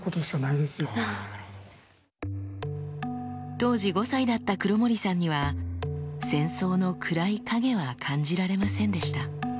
当時５歳だった黒森さんには戦争の暗い影は感じられませんでした。